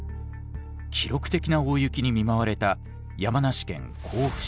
記録的な大雪に見舞われた山梨県甲府市。